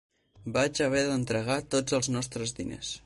Vaig haver d'entregar tots els nostres diners.